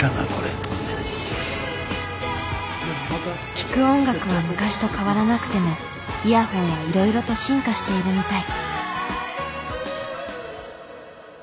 聴く音楽は昔と変わらなくてもイヤホンはいろいろと進化しているみたい。